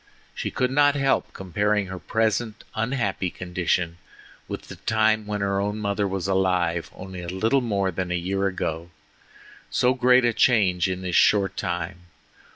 She could not help comparing her present unhappy condition with the time when her own mother was alive only a little more than a year ago—so great a change in this short time!